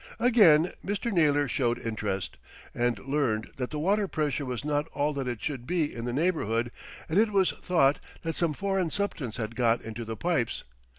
Again Mr. Naylor showed interest, and learned that the water pressure was not all that it should be in the neighbourhood, and it was thought that some foreign substance had got into the pipes.